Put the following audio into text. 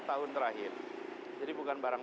tahun terakhir jadi bukan barang